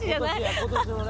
今年のね。